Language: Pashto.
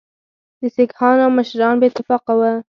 د سیکهانو مشران بې اتفاقه وه.